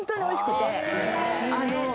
優しいね。